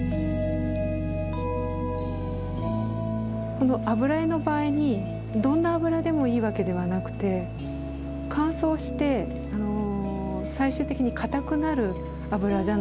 この油絵の場合にどんな油でもいいわけではなくて乾燥して最終的に硬くなる油じゃないと油絵にはならないです。